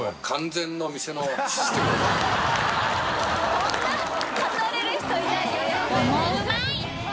こんな語れる人いないよ。